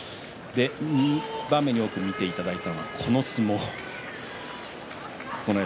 ２番目に多く見ていただいたのはこの映像の相撲です。